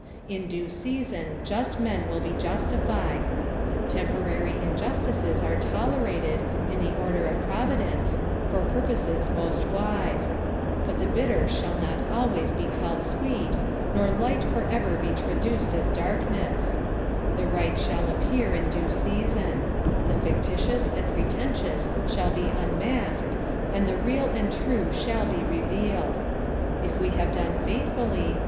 In due season just men will be justified. Temporary injustices are tolerated, in the order of Providence, for purposes most wise ; but the bitter shall not always be called sweet, nor tivht for ever bo traduced as darkness ; the right shall appear in due season ; the fictitious and pretentious shall be Dnmasked, and the real aad true shall be revealed. If we have done faithfullv